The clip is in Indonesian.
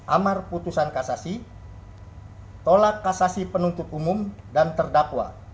amar putusan kasasi tolak kasasi penuntut umum dan terdakwa